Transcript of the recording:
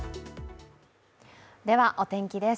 ではお天気です。